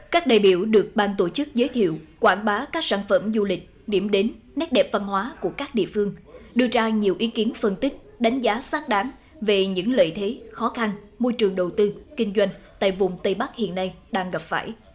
các đại biểu được bang tổ chức giới thiệu quảng bá các sản phẩm du lịch điểm đến nét đẹp văn hóa của các địa phương đưa ra nhiều ý kiến phân tích đánh giá xác đáng về những lợi thế khó khăn môi trường đầu tư kinh doanh tại vùng tây bắc hiện nay đang gặp phải